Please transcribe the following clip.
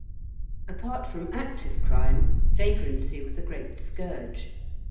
'_)] Apart from active crime, vagrancy was a great scourge.